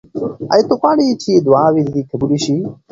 آیا ته غواړې چې دعاوې دې قبولې شي؟